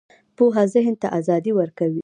پوهه ذهن ته ازادي ورکوي